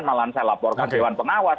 malahan saya laporkan dewan pengawas